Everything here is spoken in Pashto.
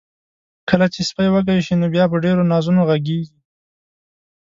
کله چې سپی وږي شي، نو بیا په ډیرو نازونو غږیږي.